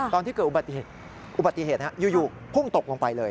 ตอนที่เกิดอุบัติเหตุอยู่พุ่งตกลงไปเลย